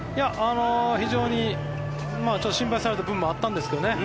非常に、心配された部分もあったんですけどね